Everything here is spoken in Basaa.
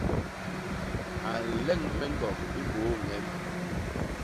A nleñ me ñgok i mbôô ñem.